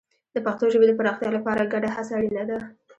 د پښتو ژبې د پراختیا لپاره ګډه هڅه اړینه ده.